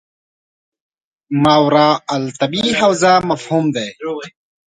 ماورا الطبیعي حوزه مفهوم دی.